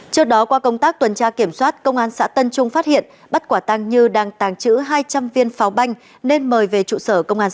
trước đó qua công tác tuần tra kiểm soát công an xã tân trung phát hiện bắt quả tàng như đang tàng trữ hai trăm linh viên pháo banh